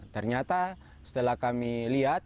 ternyata setelah kami lihat